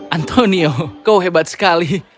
antonio kau hebat sekali